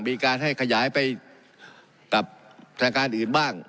มีการให้ขยายไปกับทางการอื่นบ้าง